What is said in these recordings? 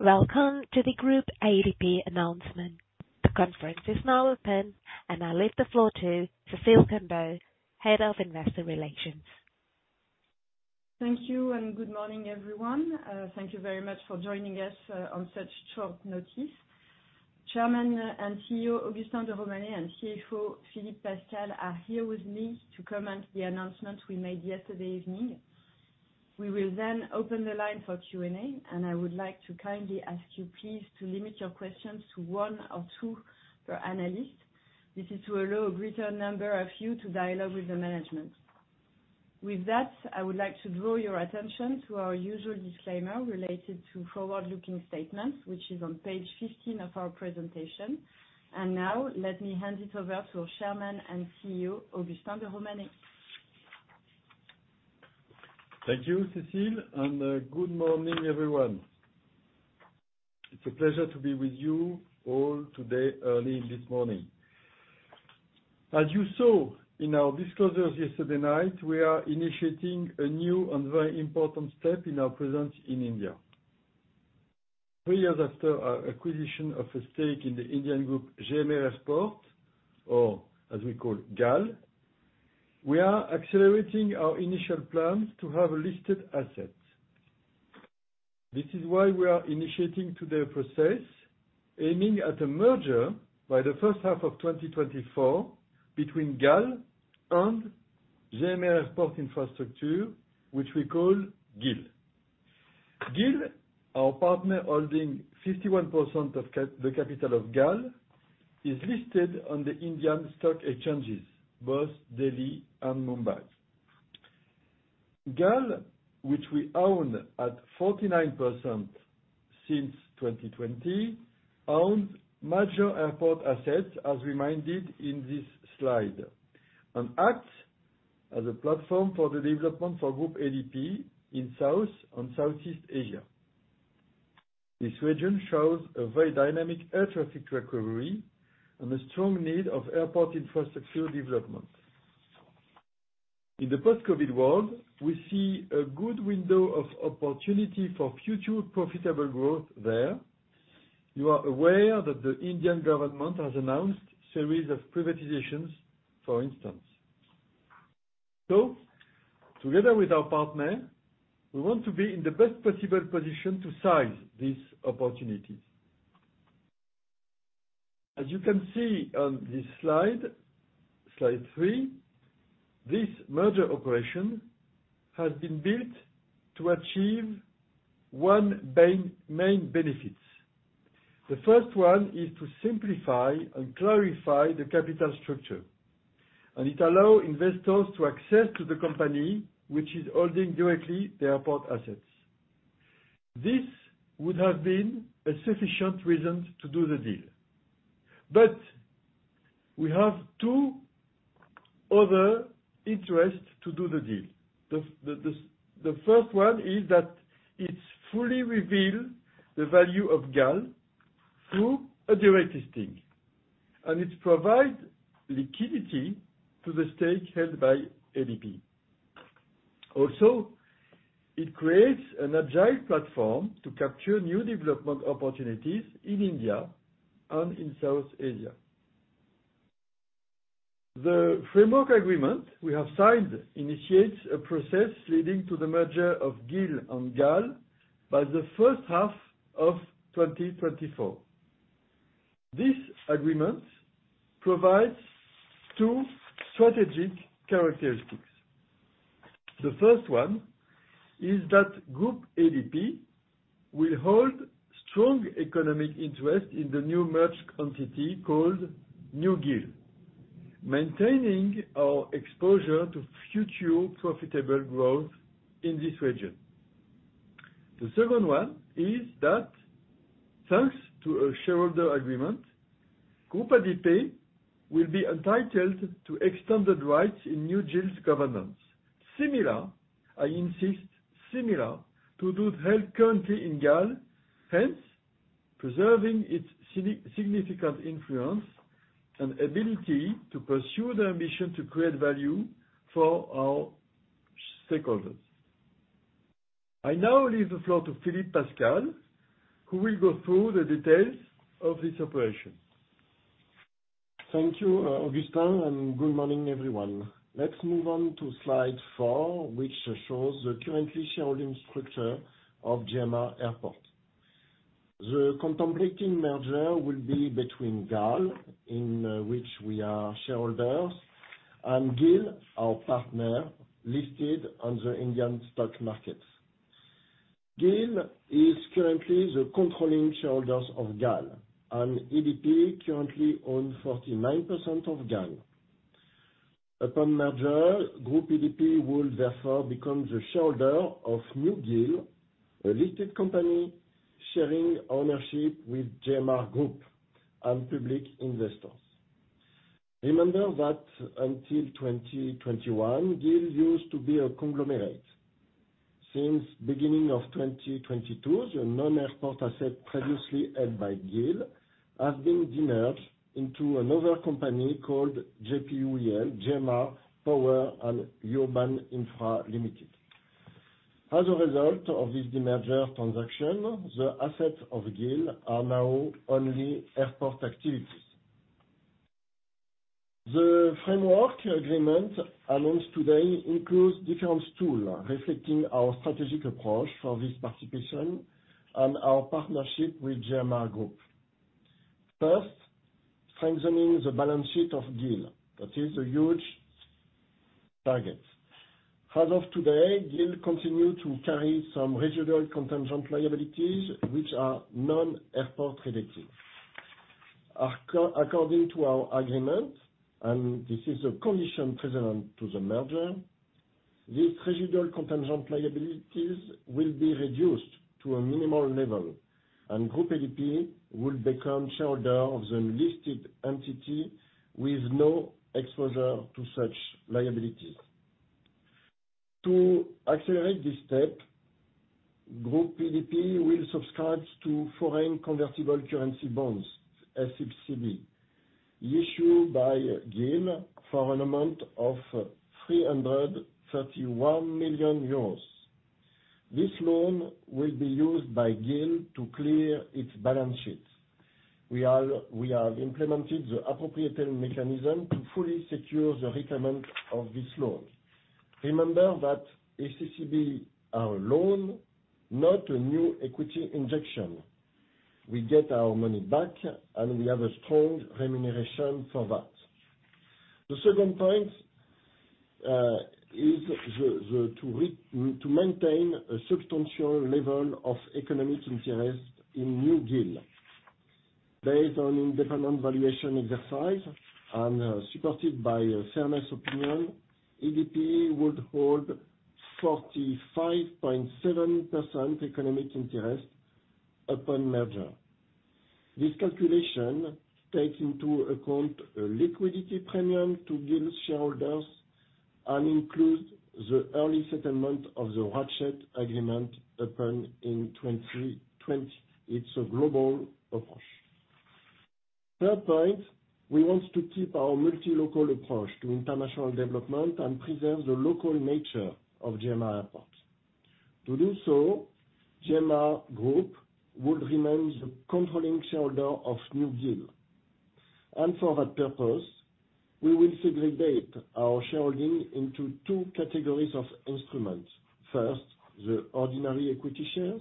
Welcome to the Groupe ADP announcement. The conference is now open, and I leave the floor to Cécile Combeau, Head of Investor Relations. Thank you. Good morning, everyone. Thank you very much for joining us on such short notice. Chairman and CEO, Augustin de Romanet, and CFO, Philippe Pascal, are here with me to comment the announcement we made yesterday evening. We will then open the line for Q&A. I would like to kindly ask you, please, to limit your questions to one or two per analyst. This is to allow a greater number of you to dialogue with the management. With that, I would like to draw your attention to our usual disclaimer related to forward-looking statements, which is on page 15 of our presentation. Now, let me hand it over to our Chairman and CEO, Augustin de Romanet. Thank you, Cécile. Good morning, everyone. It's a pleasure to be with you all today early this morning. As you saw in our disclosures yesterday night, we are initiating a new and very important step in our presence in India. Three years after our acquisition of a stake in the Indian Group GMR Airports, or as we call GAL, we are accelerating our initial plans to have listed assets. This is why we are initiating today a process aiming at a merger by the first half of 2024 between GAL and GMR Airports Infrastructure, which we call GIL. GIL, our partner holding 51% of the capital of GAL, is listed on the Indian stock exchanges, both Delhi and Mumbai. GAL, which we own at 49% since 2020, owns major airport assets, as reminded in this slide, and acts as a platform for the development for Groupe ADP in South and Southeast Asia. This region shows a very dynamic air traffic recovery and a strong need of airport infrastructure development. In the post-COVID world, we see a good window of opportunity for future profitable growth there. You are aware that the Indian government has announced series of privatizations, for instance. Together with our partner, we want to be in the best possible position to seize these opportunities. As you can see on this slide 3, this merger operation has been built to achieve one main benefits. The first one is to simplify and clarify the capital structure. It allow investors to access to the company which is holding directly the airport assets. This would have been a sufficient reason to do the deal. We have two other interests to do the deal. The first one is that it's fully revealed the value of GAL through a direct listing, and it provide liquidity to the stake held by ADP. Also, it creates an agile platform to capture new development opportunities in India and in South Asia. The framework agreement we have signed initiates a process leading to the merger of GIL and GAL by the first half of 2024. This agreement provides two strategic characteristics. The first one is that Groupe ADP will hold strong economic interest in the new merged entity called New GIL, maintaining our exposure to future profitable growth in this region. The second one is that, thanks to a shareholder agreement, Groupe ADP will be entitled to extended rights in New GIL's governance, similar, I insist, similar to those held currently in GAL, hence preserving its significant influence and ability to pursue their mission to create value for our stakeholders. I now leave the floor to Philippe Pascal, who will go through the details of this operation. Thank you, Augustin. Good morning, everyone. Let's move on to slide 4, which shows the currently sharing structure of GMR Airports. The contemplating merger will be between GAL, in which we are shareholders, and GIL, our partner, listed on the Indian stock markets. GIL is currently the controlling shareholders of GAL. ADP currently own 49% of GAL. Upon merger, Groupe ADP will therefore become the shareholder of New GIL, a listed company sharing ownership with GMR Group and public investors. Remember that until 2021, GIL used to be a conglomerate. Since beginning of 2022, the non-airport asset previously held by GIL has been demerged into another company called GPUIL, GMR Power and Urban Infra Limited. As a result of this demerger transaction, the assets of GIL are now only airport activities. The framework agreement announced today includes different tools reflecting our strategic approach for this participation and our partnership with GMR Group. First, strengthening the balance sheet of GIL. That is a huge target. As of today, GIL continue to carry some residual contingent liabilities which are non-airport related. According to our agreement, and this is a condition precedent to the merger, these residual contingent liabilities will be reduced to a minimal level, and Groupe ADP will become shareholder of the unlisted entity with no exposure to such liabilities. To accelerate this step, Groupe ADP will subscribe to Foreign Currency Convertible Bonds, FCCB, issued by GIL for an amount of 331 million euros. This loan will be used by GIL to clear its balance sheets. We have implemented the appropriate mechanism to fully secure the repayment of this loan. Remember that FCCB are a loan, not a new equity injection. We get our money back, and we have a strong remuneration for that. The second point, is to maintain a substantial level of economic interest in New GIL based on independent valuation exercise and, supported by a fairness opinion, ADP would hold 45.7% economic interest upon merger. This calculation takes into account a liquidity premium to GIL shareholders and includes the early settlement of the ratchet agreement upon in 2020. It's a global approach. Third point, we want to keep our multi-local approach to international development and preserve the local nature of GMR Airports. To do so, GMR Group would remain the controlling shareholder of New GIL. For that purpose, we will segregate our shareholding into two categories of instruments. First, the ordinary equity shares,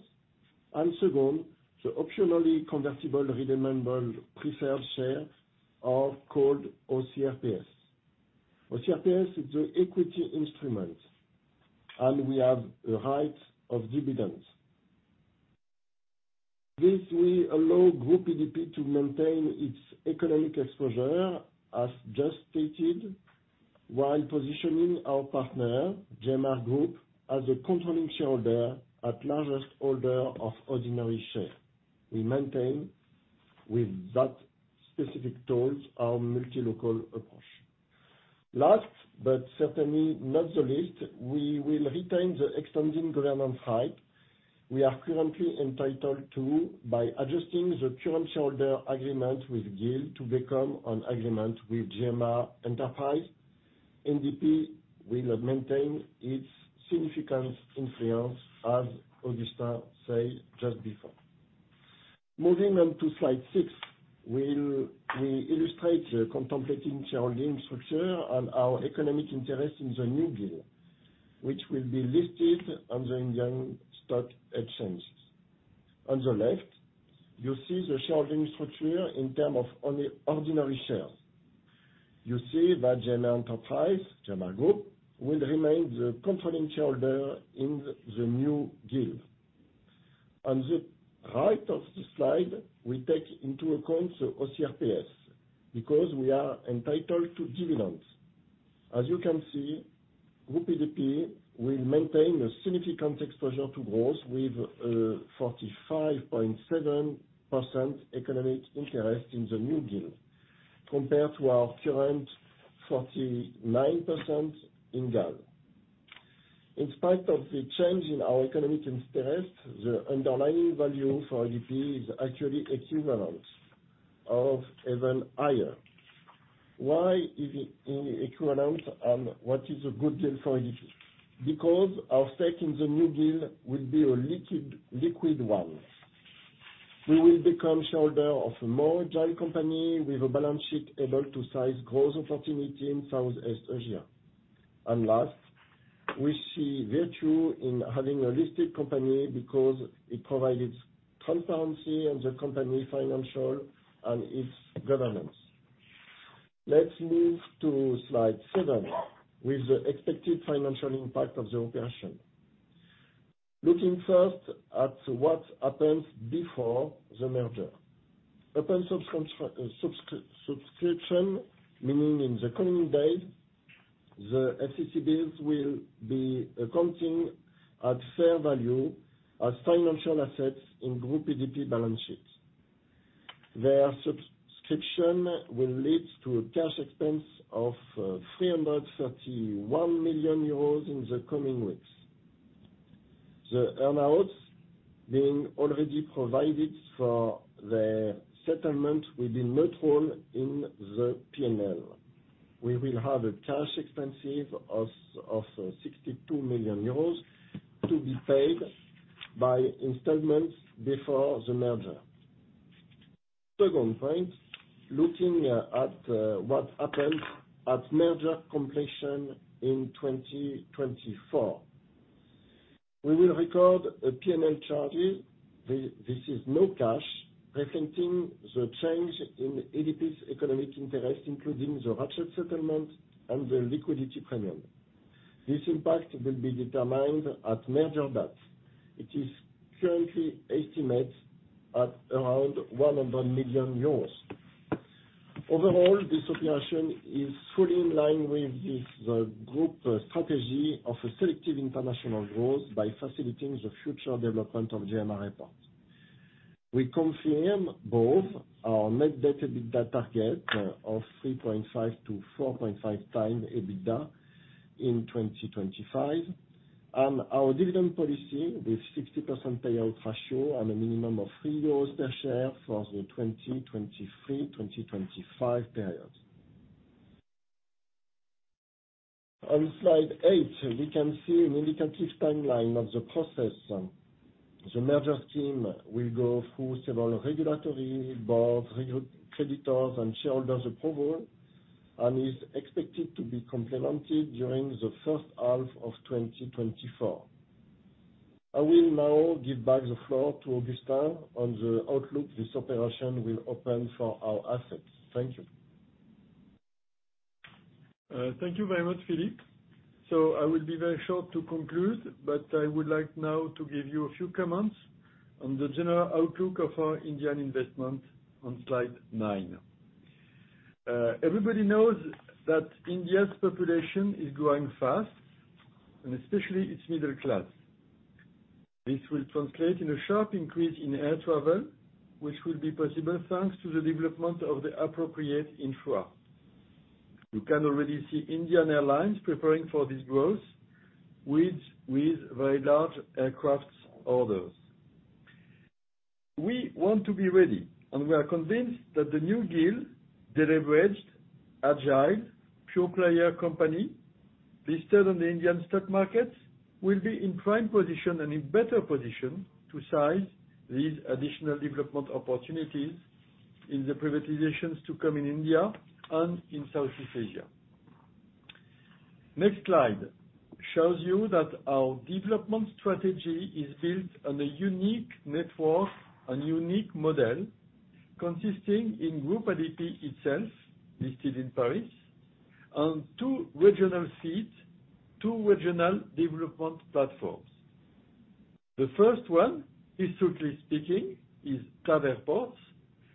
and second, the Optionally Convertible Redeemable Preference Shares, or called OCRPS. OCRPS is an equity instrument, and we have a right of dividends. This will allow Groupe ADP to maintain its economic exposure, as just stated, while positioning our partner, GMR Group, as a controlling shareholder and largest holder of ordinary share. We maintain, with that specific tools, our multi-local approach. Last, but certainly not the least, we will retain the extending government right we are currently entitled to by adjusting the current shareholder agreement with GIL to become an agreement with GMR Enterprises. ADP will maintain its significant influence, as Augustin said just before. Moving on to slide six, we illustrate the contemplating shareholding structure and our economic interest in the New GIL, which will be listed on the Indian stock exchanges. On the left, you see the shareholding structure in terms of ordinary shares. You see that GMR Enterprises, GMR Group, will remain the controlling shareholder in the New GIL. On the right of the slide, we take into account the OCRPS because we are entitled to dividends. As you can see, Groupe ADP will maintain a significant exposure to growth with a 45.7% economic interest in the New GIL compared to our current 49% in GAL. In spite of the change in our economic interest, the underlying value for ADP is actually equivalent or even higher. Why is it equivalent, and what is a good deal for ADP? Because our stake in the New GIL will be a liquid one. We will become shareholder of a more agile company with a balance sheet able to seize growth opportunity in Southeast Asia. Last, we see virtue in having a listed company because it provides transparency in the company financial and its governance. Let's move to slide 7 with the expected financial impact of the operation. Looking first at what happens before the merger. Upon subscription, meaning in the coming days, the FCCBs will be accounting at fair value as financial assets in Groupe ADP balance sheet. Their subscription will lead to a cash expense of 331 million euros in the coming weeks. The earnouts being already provided for the settlement will be net roll in the P&L. We will have a cash expensive of 62 million euros to be paid by installments before the merger. Second point, looking at what happened at merger completion in 2024. We will record a P&L charges. This is no cash reflecting the change in ADP's economic interest, including the ratchet settlement and the liquidity premium. This impact will be determined at merger date. It is currently estimated at around 100 million euros. Overall, this operation is fully in line with the Group strategy of a selective international growth by facilitating the future development of GMR Airports. We confirm both our net debt-to-EBITDA target of 3.5-4.5 times EBITDA in 2025, and our dividend policy with 60% payout ratio and a minimum of 3 euros per share for the 2023-2025 period. On slide 8, we can see an indicative timeline of the process. The [mergers team] will go through several regulatory boards, creditors and shareholders approval and is expected to be complemented during the first half of 2024. I will now give back the floor to Augustin on the outlook this operation will open for our assets. Thank you. Thank you very much, Philippe. I will be very short to conclude, but I would like now to give you a few comments on the general outlook of our Indian investment on slide 9. Everybody knows that India's population is growing fast, and especially its middle class. This will translate in a sharp increase in air travel, which will be possible thanks to the development of the appropriate infra. You can already see Indian airlines preparing for this growth with very large aircraft orders. We want to be ready, and we are convinced that the New GIL, deleveraged, agile, pure player company listed on the Indian stock markets will be in prime position and in better position to size these additional development opportunities in the privatizations to come in India and in Southeast Asia. Next slide shows you that our development strategy is built on a unique network and unique model consisting in Groupe ADP itself, listed in Paris, and two regional seats, two regional development platforms. The first one, historically speaking, is TAV Airports,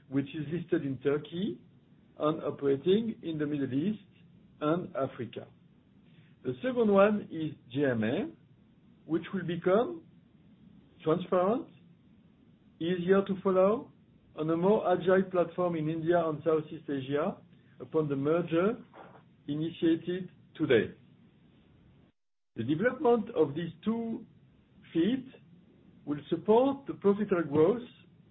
which is listed in Turkey and operating in the Middle East and Africa. The second one is GMR, which will become transparent, easier to follow, and a more agile platform in India and Southeast Asia upon the merger initiated today. The development of these two fields will support the profitable growth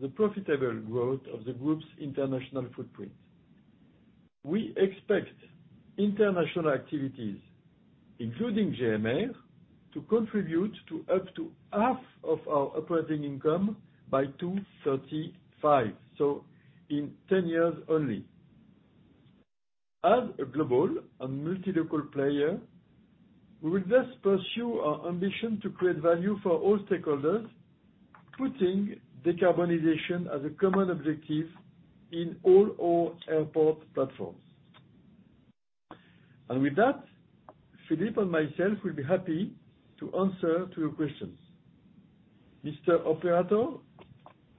of the Groupe's international footprint. We expect international activities, including GMR, to contribute to up to half of our operating income by 2035, so in 10 years only. As a global and multi-local player, we will thus pursue our ambition to create value for all stakeholders, putting decarbonization as a common objective in all our airport platforms. With that, Philippe and myself will be happy to answer to your questions. Mr. Operator,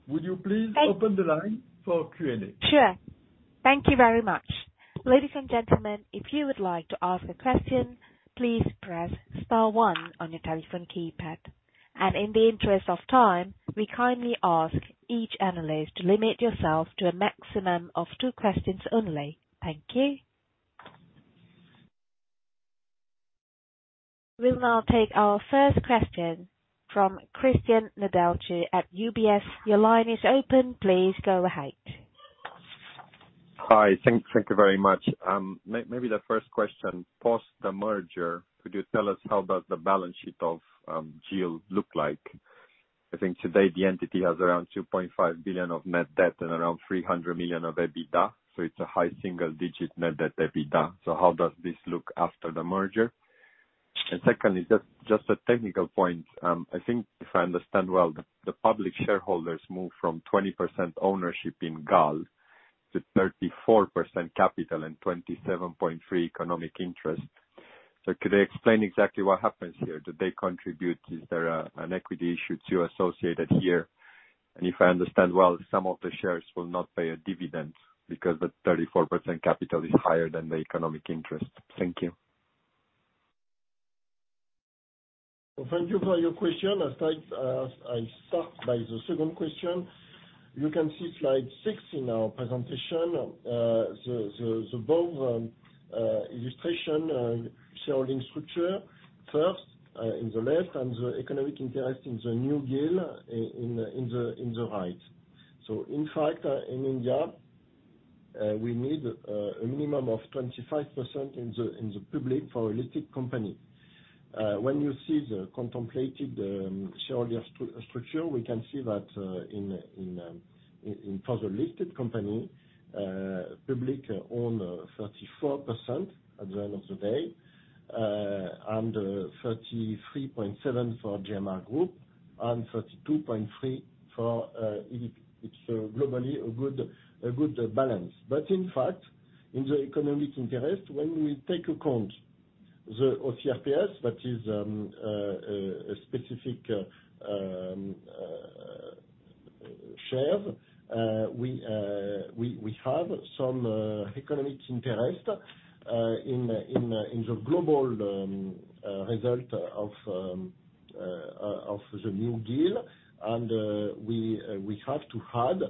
would you please open the line for Q&A? Sure. Thank you very much. Ladies and gentlemen, if you would like to ask a question, please press star 1 on your telephone keypad. In the interest of time, we kindly ask each analyst to limit yourself to a maximum of two questions only. Thank you. We will now take our first question from Cristian Nedelcu at UBS. Your line is open. Please go ahead. Hi. Thank you very much. Maybe the first question, post the merger, could you tell us how does the balance sheet of GIL look like? I think today the entity has around 2.5 billion of net debt and around 300 million of EBITDA, so it's a high single digit net debt EBITDA. How does this look after the merger? Secondly, just a technical point, I think if I understand well, the public shareholders move from 20% ownership in GAL to 34% capital and 27.3% economic interest. Could I explain exactly what happens here? Do they contribute? Is there an equity issue associated here? If I understand well, some of the shares will not pay a dividend because the 34% capital is higher than the economic interest. Thank you. Thank you for your question. I'll take, I'll start by the second question. You can see slide 6 in our presentation. The both illustration and shareholding structure first, in the left and the economic interest in the New GIL in the right. In fact, in India, we need a minimum of 25% in the public for a listed company. When you see the contemplated shareholding structure, we can see that for the listed company, public own 34% at the end of the day. 33.7% for GMR Group and 32.3% for IL&FS. Globally a good balance. In fact, in the economic interest, when we take account the OCRPS, that is a specific share, we have some economic interest in the global result of the New GIL. We have to add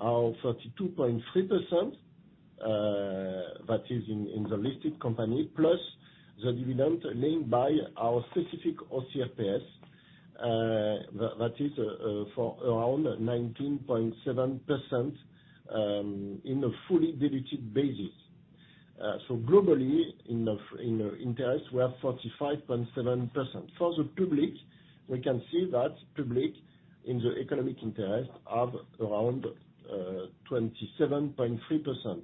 our 32.3%, that is in the listed company, plus the dividend named by our specific OCRPS, that is for around 19.7% in a fully diluted basis. Globally in the interest we have 45.7%. For the public, we can see that public in the economic interest have around 27.3%.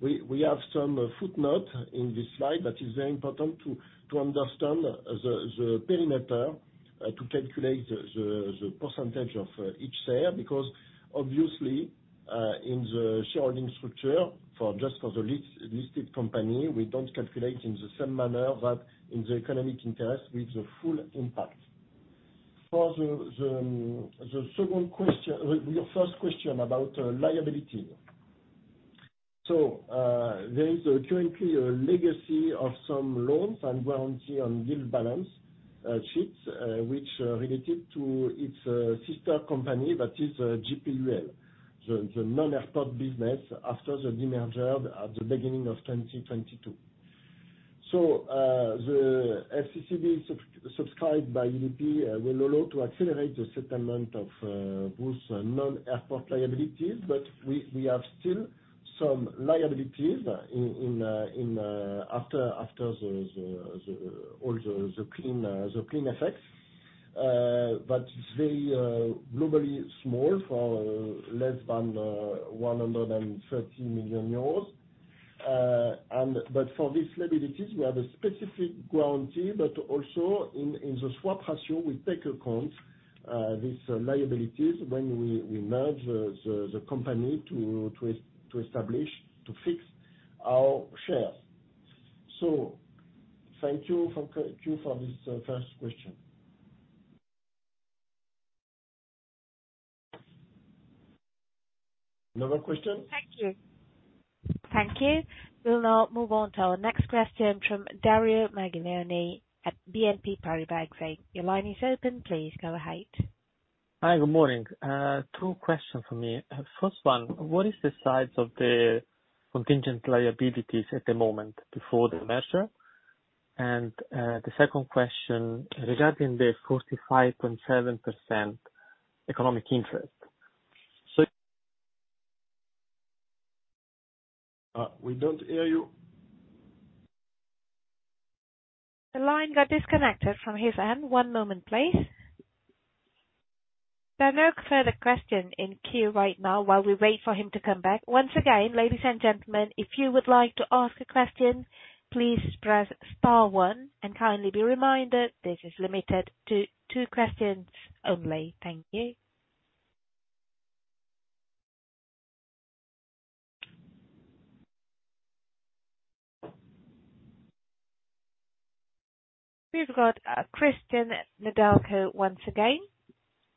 We have some footnote in this slide that is very important to understand the perimeter to calculate the percentage of each share because obviously, in the shareholding structure for just for the listed company, we don't calculate in the same manner, but in the economic interest with the full impact. For the second question. Your first question about liability. There is currently a legacy of some loans and warranty on GIL balance sheets, which are related to its sister company, that is GPUIL, the non-airport business after the demerger at the beginning of 2022. The FCCB sub-subscribed by IL&FS will allow to accelerate the settlement of both non-airport liabilities. We have still some liabilities in, after the, all the clean effects. They are globally small for less than 130 million euros. For these liabilities we have a specific guarantee. Also in the swap ratio, we take accounts these liabilities when we merge the company to establish, to fix our shares. Thank you for this first question. Another question? Thank you. Thank you. We'll now move on to our next question from Dario Maglione at BNP Paribas. Your line is open. Please go ahead. Hi. Good morning. Two questions from me. First one, what is the size of the contingent liabilities at the moment before the merger? The second question regarding the 45.7% economic interest. We don't hear you. The line got disconnected from his end. One moment, please. There are no further question in queue right now while we wait for him to come back. Once again, ladies and gentlemen, if you would like to ask a question, please press star 1. Kindly be reminded, this is limited to two questions only. Thank you. We've got, Cristian Nedelcu once again.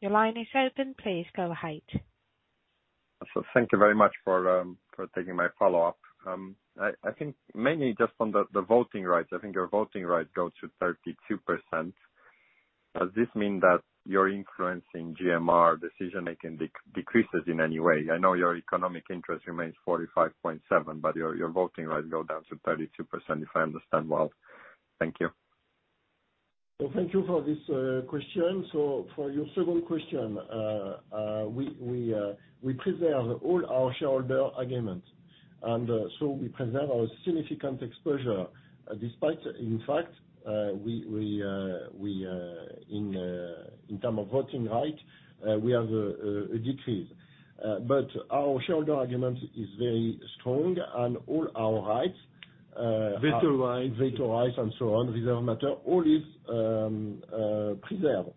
Your line is open. Please go ahead. Thank you very much for taking my follow-up. I think mainly just on the voting rights. I think your voting rights go to 32%. Does this mean that your influence in GMR decision making decreases in any way? I know your economic interest remains 45.7%, but your voting rights go down to 32%, if I understand well. Thank you. Thank you for this question. For your second question, we preserve all our shareholder agreements, and so we preserve our significant exposure despite in fact, we, in term of voting right, have a decrease. Our shareholder agreement is very strong and all our rights. Veto rights. Veto rights and so on, reserved matter, all is preserved.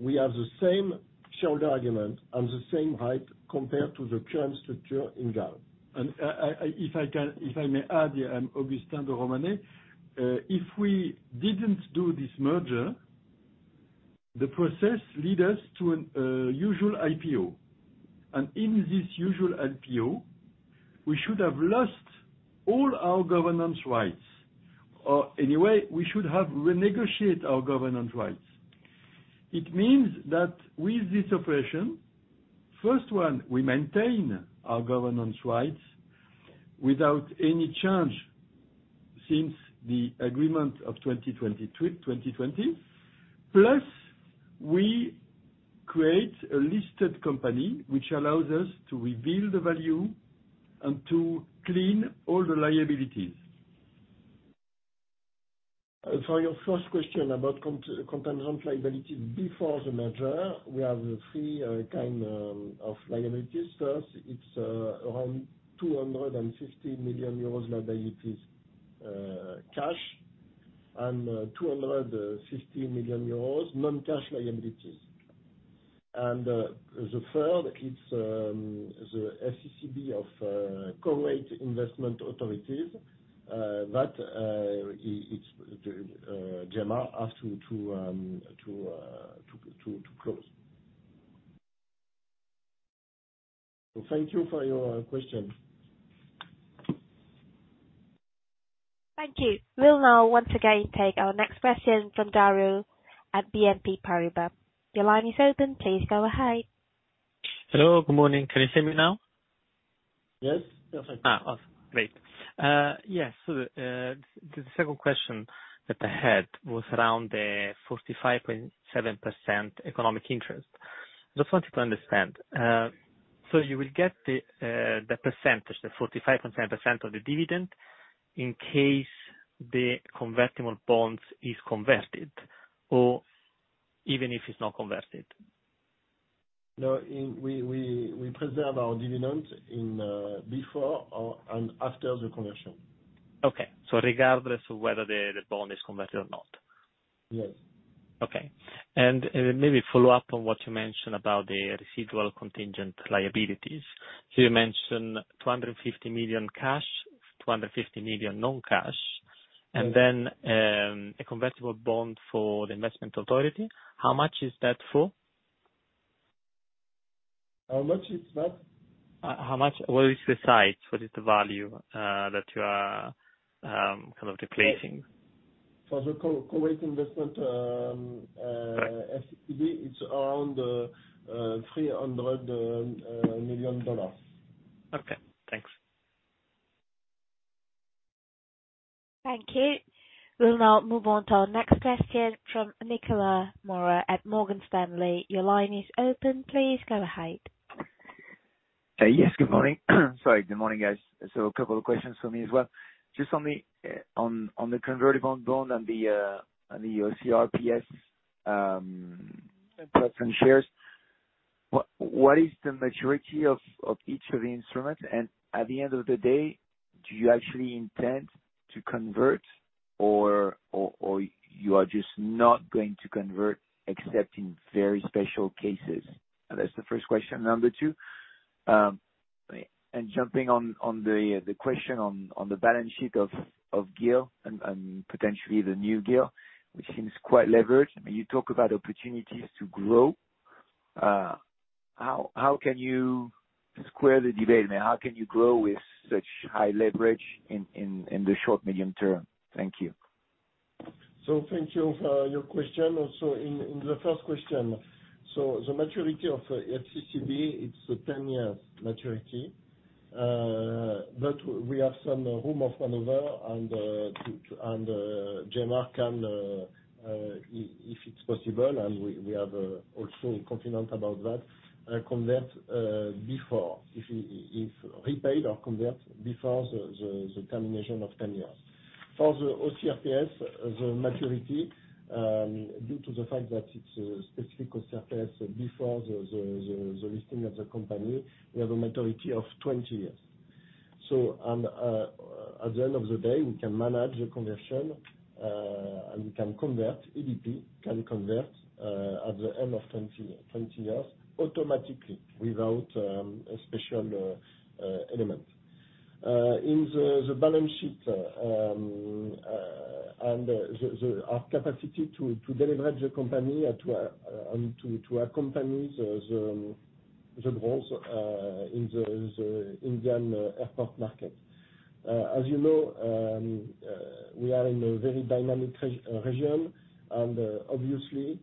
We have the same shareholder agreement and the same right compared to the current structure in GAL. If I can, if I may add, I'm Augustin de Romanet. If we didn't do this merger, the process lead us to an usual IPO. In this usual IPO. We should have lost all our governance rights, or anyway we should have renegotiate our governance rights. It means that with this operation, first one, we maintain our governance rights without any change since the agreement of 2020. We create a listed company which allows us to reveal the value and to clean all the liabilities. For your first question about contingent liabilities. Before the merger, we have three kind of liabilities. First, it's around 250 million euros liabilities, cash and 250 million euros non-cash liabilities. The third, it's the FCCB of Kuwait Investment Authority that GMR has to close. Thank you for your question. Thank you. We'll now once again take our next question from Dario Maglione at BNP Paribas. Your line is open. Please go ahead. Hello, good morning. Can you hear me now? Yes, perfect. great. Yes. The second question that I had was around the 45.7% economic interest. Just wanted to understand. You will get the percentage, the 45.7% of the dividend in case the convertible bonds is converted or even if it's not converted? No, We preserve our dividend in, before or, and after the conversion. Okay. Regardless of whether the bond is converted or not? Yes. Okay. Maybe follow up on what you mentioned about the residual contingent liabilities. You mentioned 250 million cash, 250 million non-cash, and then, a convertible bond for the Kuwait Investment Authority. How much is that for? How much is that? What is the size? What is the value, that you are, kind of declaring? For the Kuwait investment, FCCB, it's around $300 million. Okay, thanks. Thank you. We'll now move on to our next question from Nicolas Mora at Morgan Stanley. Your line is open. Please go ahead. Yes, good morning. Sorry, good morning, guys. A couple of questions for me as well. Just on the convertible bond and the OCRPS preference shares. What is the maturity of each of the instruments? At the end of the day, do you actually intend to convert or you are just not going to convert except in very special cases? That's the first question. Number 2, jumping on the question on the balance sheet of GIL and potentially the New GIL, which seems quite leveraged. I mean, you talk about opportunities to grow. How can you square the debate? I mean, how can you grow with such high leverage in the short, medium term? Thank you. Thank you for your question. Also in the first question. The maturity of FCCB, it's 10 years maturity, but we have some room of maneuver and GMCAC can if it's possible, and we have also a condition precedent about that, convert before. Repaid or convert before the termination of 10 years. For the OCRPS, the maturity, due to the fact that it's a specific OCRPS before the listing of the company, we have a maturity of 20 years. At the end of the day, we can manage the conversion, and we can convert, ADP can convert, at the end of 20 years automatically without a special element. In the balance sheet, our capacity to de-leverage the company and to accompany the growth in the Indian airport market. As you know, we are in a very dynamic region and obviously,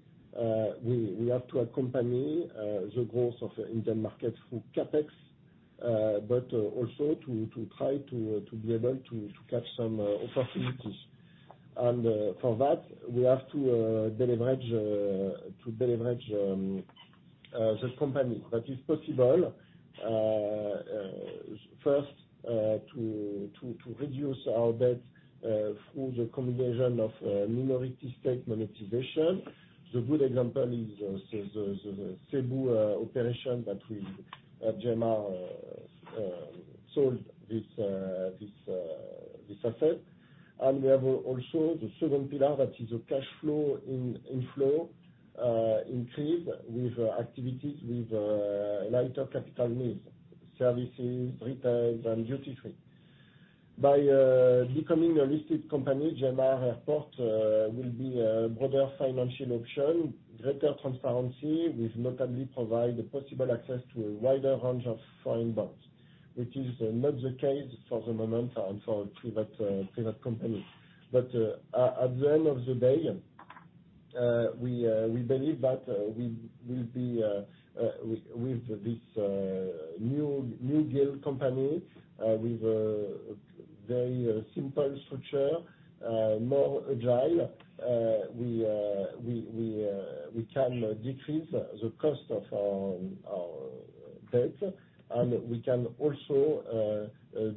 we have to accompany the growth of Indian market through CapEx, but also to try to be able to catch some opportunities. For that, we have to de-leverage this company. That is possible, first, to reduce our debt through the combination of minority stake monetization. The good example is the Cebu operation that we at GMCAC sold this asset. We have also the second pillar that is a cash flow inflow increase with activities with lighter capital needs, services, retail and duty-free. By becoming a listed company, GMR Airports will be a broader financial option, greater transparency, will notably provide the possible access to a wider range of foreign banks, which is not the case for the moment and for private company. At the end of the day, we believe that we will be with this New GIL company with a very simple structure, more agile, we can decrease the cost of our debt, and we can also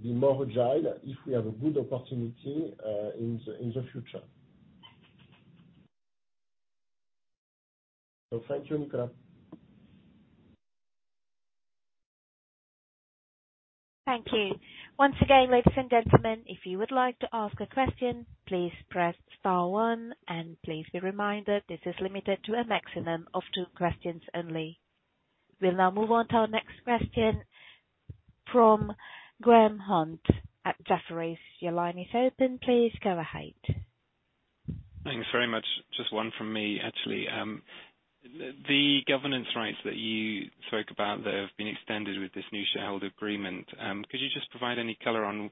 be more agile if we have a good opportunity in the future. Thank you, Nicolas. Thank you. Once again, ladies and gentlemen, if you would like to ask a question, please press star 1 and please be reminded this is limited to a maximum of two questions only. We'll now move on to our next question from Graham Hunt at Jefferies. Your line is open. Please go ahead. Thanks very much. Just one from me, actually. The governance rights that you spoke about that have been extended with this new shareholder agreement, could you just provide any color on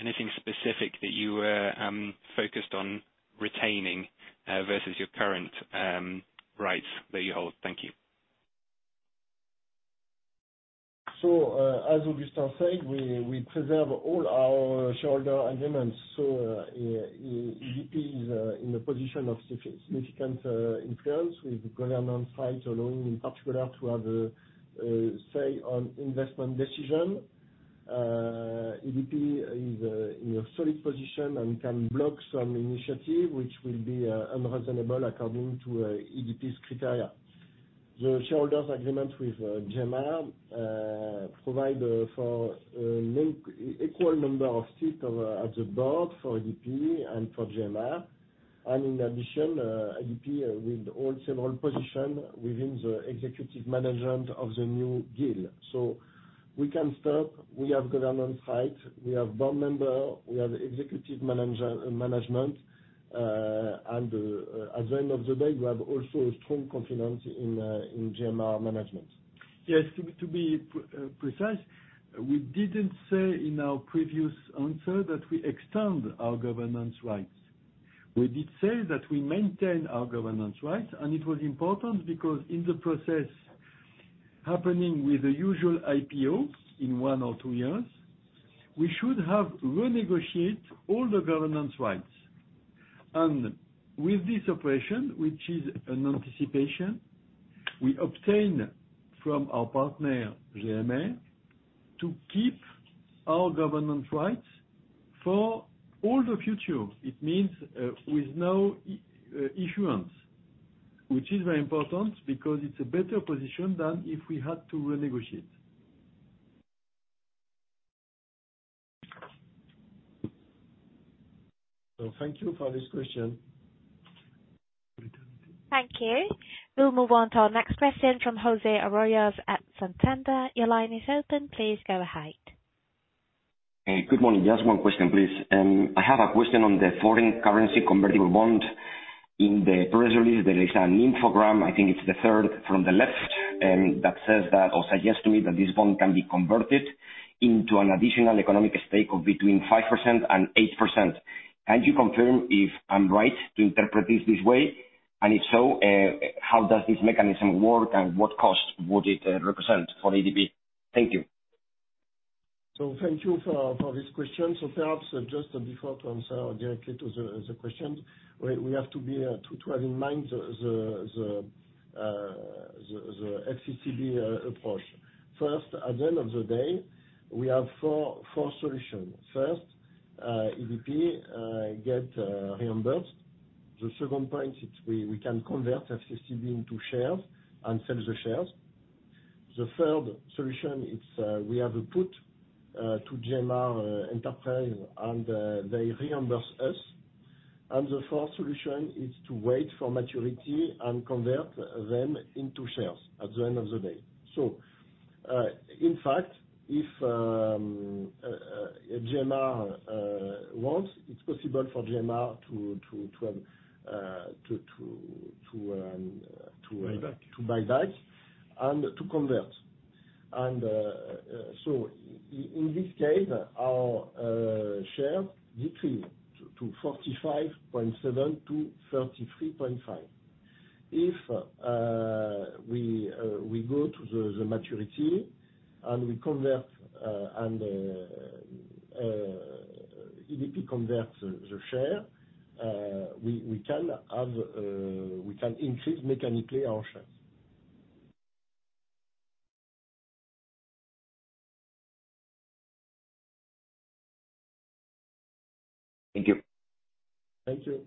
anything specific that you are focused on retaining versus your current rights that you hold? Thank you. As Augustin said, we preserve all our shareholder agreements, ADP is in a position of significant influence with governance rights allowing, in particular, to have a say on investment decision. ADP is in a solid position and can block some initiative which will be unreasonable according to ADP's criteria. The shareholders' agreement with GMR provide for an equal number of seats at the board for ADP and for GMR. In addition, ADP will hold several position within the executive management of the New GIL. We can stop, we have governance rights, we have board member, we have executive management, and at the end of the day, we have also a strong confidence in GMR management. Yes, to be precise, we didn't say in our previous answer that we extend our governance rights. We did say that we maintain our governance rights, it was important because in the process happening with the usual IPO in one or two years, we should have renegotiate all the governance rights. With this operation, which is an anticipation, we obtain from our partner, GMR, to keep our governance rights for all the future. It means with no issuance, which is very important because it's a better position than if we had to renegotiate. Thank you for this question. Thank you. We'll move on to our next question from José Arroyas at Santander. Your line is open. Please go ahead. Hey, good morning. Just one question, please. I have a question on the Foreign Currency Convertible Bond. In the press release, there is an infogram, I think it's the third from the left, that says that, or suggests to me that this bond can be converted into an additional economic stake of between 5% and 8%. Can you confirm if I'm right to interpret it this way? If so, how does this mechanism work and what cost would it represent for ADP? Thank you. Thank you for this question. Perhaps just before to answer directly to the question, we have to have in mind the FCCB approach. First, at the end of the day, we have four solution. First, ADP get reimbursed. The second point is we can convert FCCB into shares and sell the shares. The third solution, it's we have a put to GMR Enterprises, and they reimburse us. The fourth solution is to wait for maturity and convert them into shares at the end of the day. In fact, if GMR wants, it's possible for GMR to have. Buyback. To buyback and to convert. In this case, our share decrease to 45.7%-33.5%. If we go to the maturity and we convert, and ADP converts the share, we can have, we can increase mechanically our shares. Thank you. Thank you.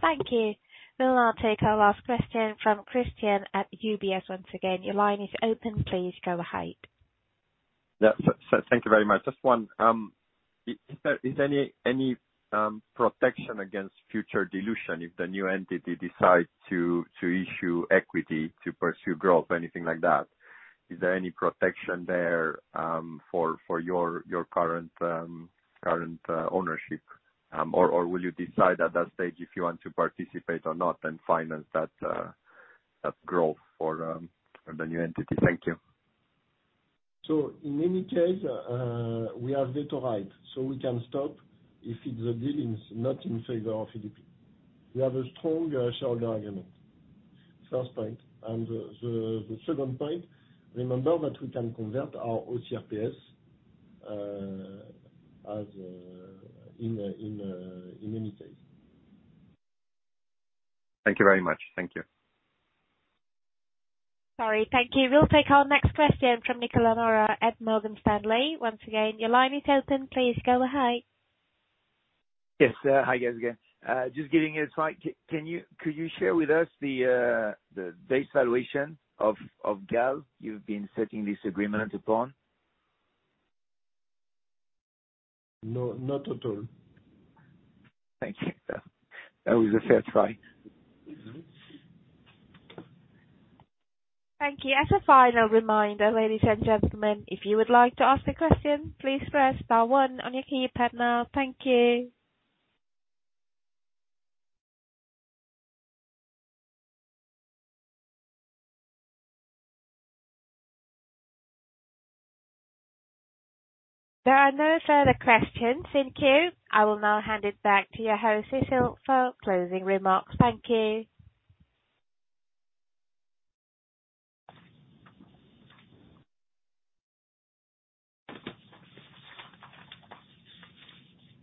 Thank you. We'll now take our last question from Cristian Nedelcu at UBS once again. Your line is open. Please go ahead. Yeah. Thank you very much. Just one. Is there any protection against future dilution if the new entity decides to issue equity to pursue growth, anything like that? Is there any protection there for your current ownership? Will you decide at that stage if you want to participate or not and finance that growth for the new entity? Thank you. In any case, we have veto right, so we can stop if it's the deal is not in favor of ADP. We have a strong shareholder agreement, first point. The second point, remember that we can convert our OCRPS as in any case. Thank you very much. Thank you. Sorry. Thank you. We'll take our next question from Nicolas Mora at Morgan Stanley. Once again, your line is open. Please go ahead. Yes. Hi guys again. Just giving you a try. Could you share with us the base valuation of GAL you've been setting this agreement upon? No, not at all. Thank you. That was a fair try. Mm-hmm. Thank you. As a final reminder, ladies and gentlemen, if you would like to ask a question, please press star 1 on your keypad now. Thank you. There are no further questions in queue. I will now hand it back to your host, Cécile, for closing remarks. Thank you.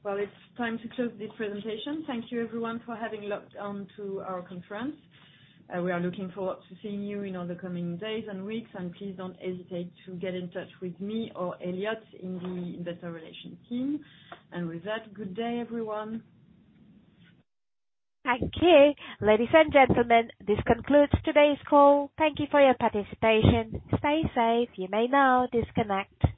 Well, it's time to close this presentation. Thank you everyone for having logged on to our conference. We are looking forward to seeing you in all the coming days and weeks. Please don't hesitate to get in touch with me or Eliott in the Investor Relations team. With that, good day everyone. Thank you. Ladies and gentlemen, this concludes today's call. Thank you for your participation. Stay safe. You may now disconnect.